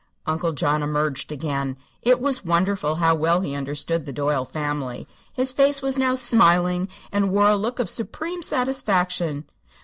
Uncle John emerged again. It was wonderful how well he understood the Doyle family. His face was now smiling and wore a look of supreme satisfaction.